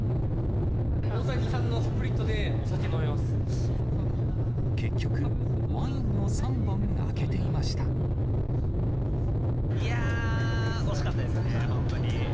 大谷さんのスプリットでお酒結局、いやー、惜しかったですね、本当に。